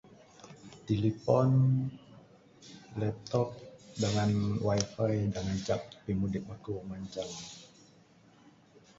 Tilipon, laptop dangan wifi da ngancak pimudip aku mancang.